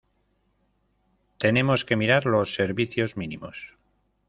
Tenemos que mirar los servicios mínimos.